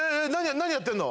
何やってんの？